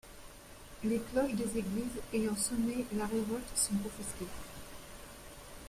Les cloches des églises ayant sonné la révolte sont confisquées.